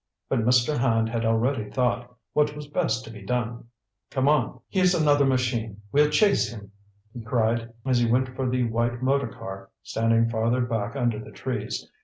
But Mr. Hand had already thought what was best to be done. "Come on, here's another machine. We'll chase him!" he cried, as he went for the white motorcar, standing farther back under the trees.